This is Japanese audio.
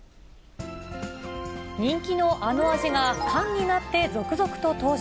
人気のあの味が缶になって続々と登場。